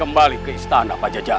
kembali ke istana pajajah